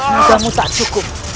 pedangmu tak cukup